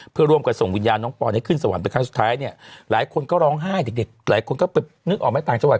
เพื่อร่วมกันส่งวิญญาณน้องปอนให้ขึ้นสวรรค์เป็นครั้งสุดท้ายเนี่ยหลายคนก็ร้องไห้เด็กเด็กหลายคนก็ไปนึกออกไหมต่างจังหวัด